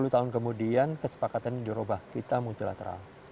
sepuluh tahun kemudian kesepakatan dirobah kita multilateral